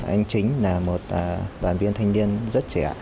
anh chính là một đoàn viên thanh niên rất trẻ